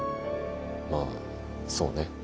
まあそうね。